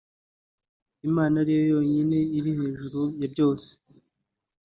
Imana ari yo yonyine iri hejuru ya byose